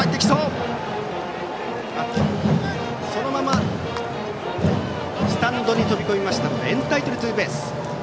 そのままスタンドに飛び込みましたのでエンタイトルツーベース。